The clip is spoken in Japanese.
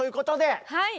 はい！